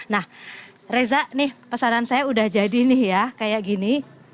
nah reza nih pesanan saya udah jadi nih ya kayak gini